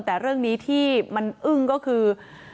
แต่เรื่องนี้ที่มันอึ้งก็คือ